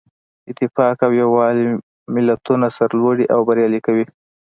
اتفاق او یووالی ملتونه سرلوړي او بریالي کوي.